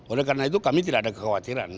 oleh karena itu kami tidak ada kekhawatiran